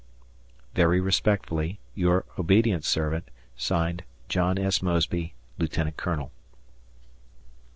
. Very respectfully, Your obedient servant, (Signed) John S. Mosby, Lieutenant Colonel.